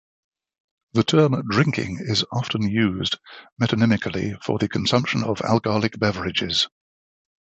The term "drinking" is often used metonymically for the consumption of alcoholic beverages.